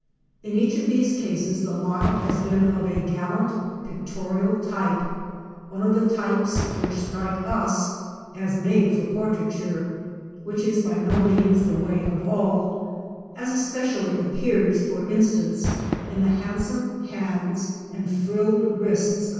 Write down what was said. In each of these cases the model has been of a gallant pictorial type, one of the types which strike us as made for portraiture (which is by no means the way of all), as especially appears, for in stance, in the handsome hands and frilled wrists of M.